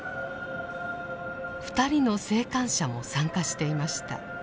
２人の生還者も参加していました。